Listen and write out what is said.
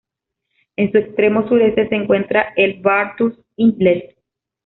En su extremo sureste se encuentra el Bathurst Inlet.